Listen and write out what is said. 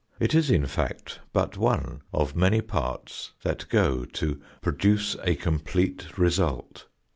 It is, in fact, but one of many parts that go to produce a complete result.